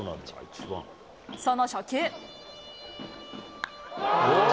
その初球。